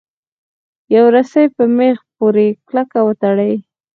یوه رسۍ په میخ پورې کلکه وتړئ.